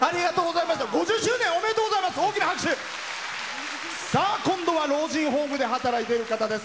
５０周年、おめでとうございます。今度は老人ホームで働いている方です。